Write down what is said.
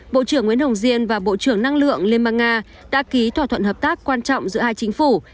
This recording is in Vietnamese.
bộ trưởng nguyễn hồng diên và bộ trưởng năng lượng liên bang nga đã ký thỏa thuận hợp tác quan trọng giữa hai chính phủ